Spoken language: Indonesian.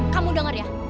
kamu denger ya